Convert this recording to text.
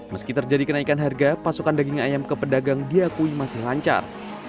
meski terjadi kenaikan harga pasokan daging ayam ke pedagang diakui masih lancar